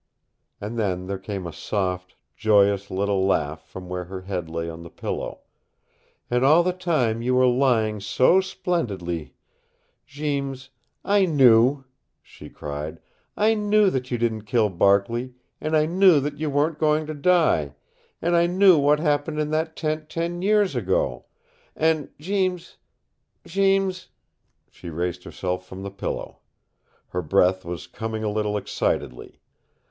And then there came a soft, joyous little laugh from where her head lay on the pillow. "And all the time you were lying so splendidly, Jeems I KNEW," she cried. "I knew that you didn't kill Barkley, and I knew that you weren't going to die, and I knew what happened in that tent ten years ago. And Jeems Jeems " She raised herself from the pillow. Her breath was coming a little excitedly.